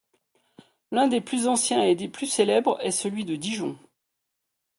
L’un des plus anciens et des plus célèbres est celui de Dijon.